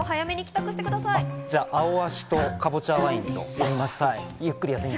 じゃあ『アオアシ』と『かぼちゃワイン』を読みます。